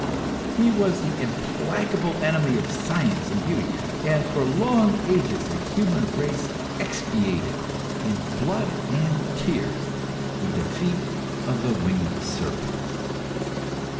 He was the implacable enemy of science and beauty, and for long ages the human race expiated, in blood and tears, the defeat of the winged serpent.